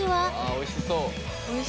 おいしそう。